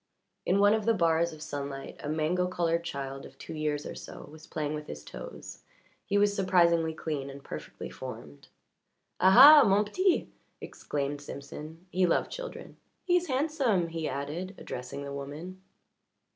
In one of the bars of sunlight a mango coloured child of two years or so was playing with his toes he was surprisingly clean and perfectly formed. "Aha, mon petit!" exclaimed Simpson. He loved children. "He is handsome," he added, addressing the woman.